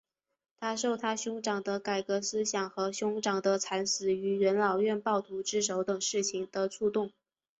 他受他兄长的改革思想和兄长的惨死于元老院暴徒之手等事情的触动。